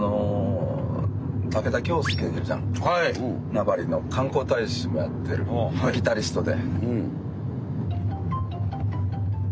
名張の観光大使もやってるギタリストで。